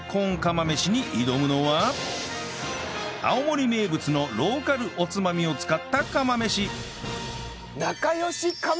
青森名物のローカルおつまみを使った釜飯えっ？